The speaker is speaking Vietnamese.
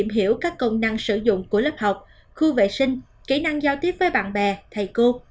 hiểu các công năng sử dụng của lớp học khu vệ sinh kỹ năng giao tiếp với bạn bè thầy cô